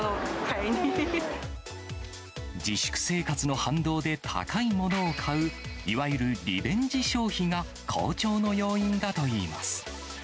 自粛生活の反動で、高いものを買う、いわゆるリベンジ消費が、好調の要因だといいます。